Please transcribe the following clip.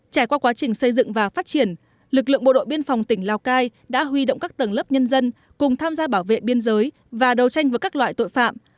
trải qua quá trình xây dựng và phát triển lực lượng bộ đội biên phòng tỉnh lào cai đã huy động các tầng lớp nhân dân cùng tham gia bảo vệ biên giới và đấu tranh với các loại tội phạm